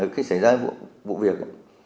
khi xảy ra vụ việc